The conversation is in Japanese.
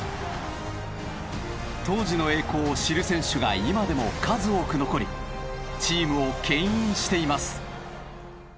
当時の栄光を知る選手が今でも数多く残りチームをけん引しています。